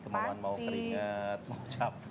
kemauan mau keringat mau capek